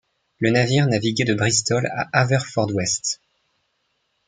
Le navire naviguait de Bristol à Haverfordwest.